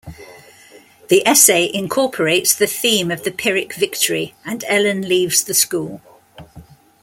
The essay incorporates the theme of the Pyrrhic victory and Ellen leaves the school.